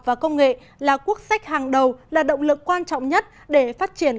và công nghệ là quốc sách hàng đầu là động lực quan trọng nhất để phát triển